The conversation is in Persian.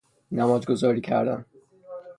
نمازگذاری کردن